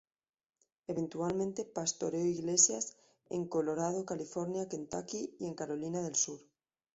Eventualmente pastoreo iglesias en Colorado, California, Kentucky, y en Carolina del Sur.